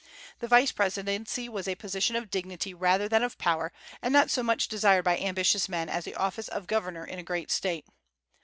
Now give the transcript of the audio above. The vice presidency was a position of dignity rather than of power, and not so much desired by ambitious men as the office of governor in a great State.